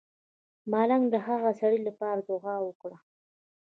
ملنګ د هغه سړی لپاره دعا وکړه.